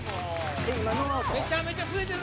めちゃめちゃ振れてる。